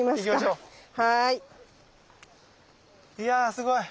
いやすごい！